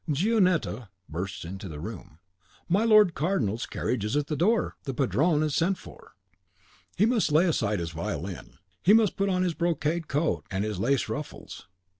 Gionetta bursts into the room: my Lord Cardinal's carriage is at the door, the Padrone is sent for. He must lay aside his violin; he must put on his brocade coat and his lace ruffles.